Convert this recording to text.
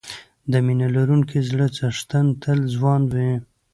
د مینه لرونکي زړه څښتن تل ځوان وي.